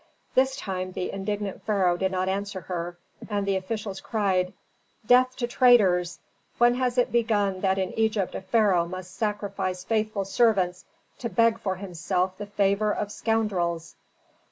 This time the indignant pharaoh did not answer her, and the officials cried, "Death to traitors! When has it begun that in Egypt a pharaoh must sacrifice faithful servants to beg for himself the favor of scoundrels?"